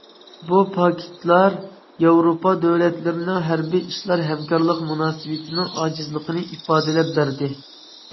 بۇ پاكىتلار ياۋروپا دۆلەتلىرىنىڭ ھەربىي ئىشلار ھەمكارلىق مۇناسىۋىتىنىڭ ئاجىزلىقىنى ئىپادىلەپ بەردى.